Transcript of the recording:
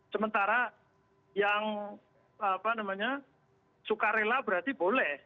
sementara yang suka rela berarti boleh